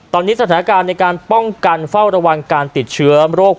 ตอนนี้สถานการณ์ในการป้องกันเฝ้าระวังการติดเชื้อโรค